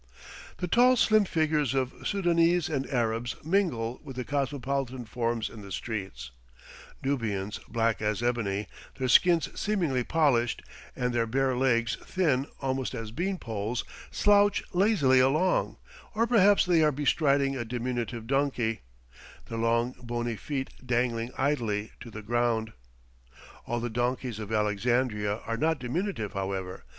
The tall, slim figures of Soudanese and Arabs mingle with the cosmopolitan forms in the streets; Nubians black as ebony, their skins seemingly polished, and their bare legs thin almost as beanpoles, slouch lazily along, or perhaps they are bestriding a diminutive donkey, their long, bony feet dangling idly to the ground. All the donkeys of Alexandria are not diminutive, however.